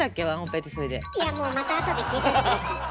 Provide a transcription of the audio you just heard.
いやもうまた後で聞いといて下さい。